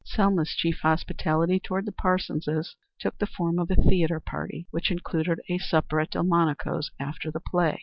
Selma's chief hospitality toward the Parsonses took the form of a theatre party, which included a supper at Delmonico's after the play.